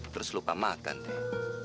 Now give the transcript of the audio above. terus lupa makan teh